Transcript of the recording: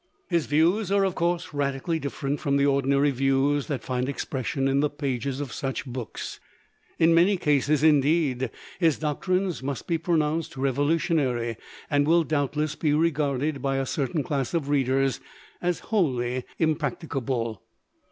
His views are of course radically different from the ordinary views that find expression in the pages of such books; in many cases, indeed, his doctrines must be pronounced revolutionary, and will doubtless be regarded by a certain class of readers as wholly impracticable.